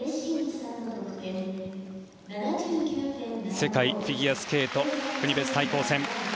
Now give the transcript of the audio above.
世界フィギュアスケート国別対抗戦。